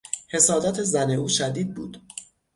حسادت زن او شدید بود.